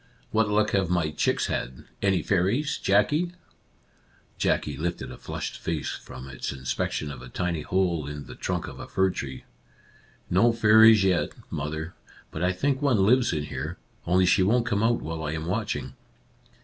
What luck have my chicks had ? Any fairies, Jackie ?" Jackie lifted a flushed face from its inspec tion of a tiny hole in the trunk of a fir tree. " No fairies yet> mother ; but I think one lives in here, only she won't come out while I am watching."